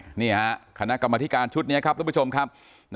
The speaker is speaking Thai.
นี่ฮะคณะกรรมธิการชุดนี้ครับทุกผู้ชมครับ